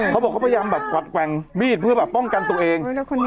เขาบอกเขาพยายามแบบกวัดแกว่งมีดเพื่อแบบป้องกันตัวเอง